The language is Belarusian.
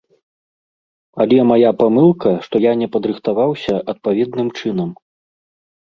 Але мая памылка, што я не падрыхтаваўся адпаведным чынам.